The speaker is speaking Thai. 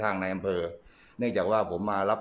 ตอนนี้ก็ไม่มีอัศวินทรีย์